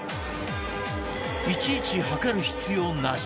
いちいち量る必要なし